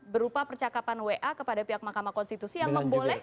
berupa percakapan wa kepada pihak mahkamah konstitusi yang membolehkan